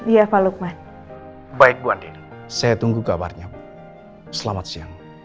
iya pak lukman baik bu adeno saya tunggu kabarnya bu selamat siang